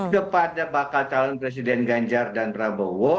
kepada bakal calon presiden ganjar dan prabowo